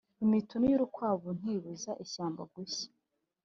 Imitunu y’urukwavu ntibuza ishyamba gushya.